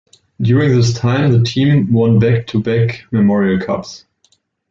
During this time, the team won back to back Memorial Cups.